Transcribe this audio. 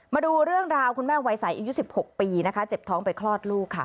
มาดูเรื่องราวคุณแม่วัยใสอายุ๑๖ปีนะคะเจ็บท้องไปคลอดลูกค่ะ